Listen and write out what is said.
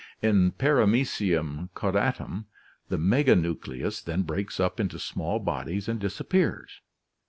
In Para mecium caudatum the meganucleus then breaks up into small bodies and disappears.